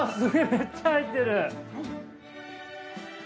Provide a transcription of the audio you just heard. めっちゃ入ってる。